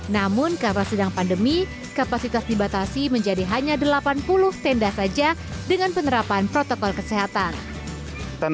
namun karena sedang pandemi kapasitas dibatasi menjadi hanya delapan puluh tenda saja dengan penerapan protokol kesehatan